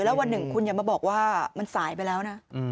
แล้ววันหนึ่งคุณอย่ามาบอกว่ามันสายไปแล้วนะ